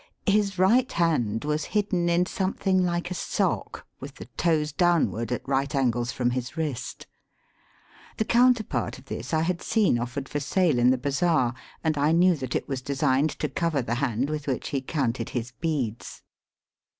His right hand was hidden in something like a sock, with the toes downward at right angles from his wrist. The counterpart of this I had seen offered for sale in the bazaar, and knew that it was designed to cover the hand with which he counted his beads.